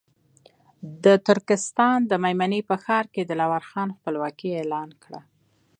د ترکستان د مېمنې په ښار کې دلاور خان خپلواکي اعلان کړه.